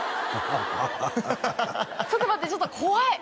アハハちょっと待ってちょっと怖い！